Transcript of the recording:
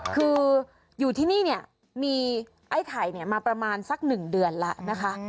คืออยู่ที่นี่เนี่ยมีไอ้ไข่มาประมาณสัก๑เดือนแล้วนะคะ